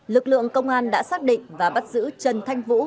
lực lượng công an đã xác định và bắt giữ trần thanh vũ